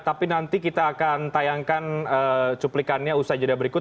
tapi nanti kita akan tayangkan cuplikannya usai jeda berikut